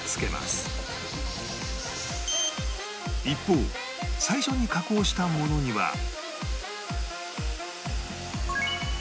一方最初に加工したものには